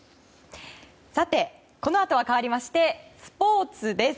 さて、このあとはかわりましてスポーツです。